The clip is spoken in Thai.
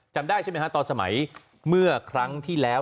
จำได้ใช่ไหมฮะตอนสมัยเมื่อครั้งที่แล้ว